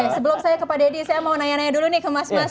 boleh sebelum saya kepada ini saya mau nanya nanya dulu nih ke mas mas